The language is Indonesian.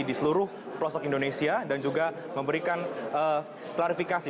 di seluruh pelosok indonesia dan juga memberikan klarifikasi